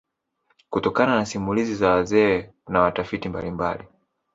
Kutokana na simulizi za wazee na watafiti mbalimbali